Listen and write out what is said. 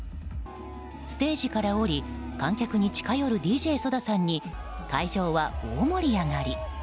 ステージから降り観客に近寄るＤＪＳＯＤＡさんに会場は大盛り上がり。